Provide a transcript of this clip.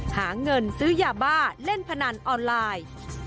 หาเงินซื้อยาบ้าเล่นพนันออนไลน์